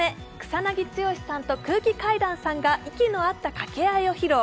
草なぎ剛さんと空気階段さんが息の合った掛け合いを披露。